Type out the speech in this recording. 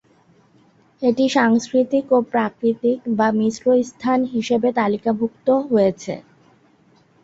এটি সাংস্কৃতিক ও প্রাকৃতিক বা মিশ্র স্থান হিসেবে তালিকাভূক্ত হয়েছে।